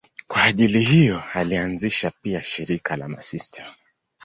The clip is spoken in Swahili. Kwa ajili hiyo alianzisha pia shirika la masista.